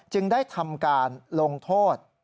จึงได้ทำการลงโทษ